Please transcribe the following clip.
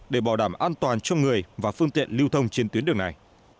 để bảo đảm an toàn cho người và phương tiện lưu thông trên tuyến đường này